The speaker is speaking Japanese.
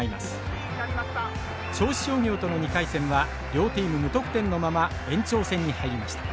銚子商業との２回戦は両チーム無得点のまま延長戦に入りました。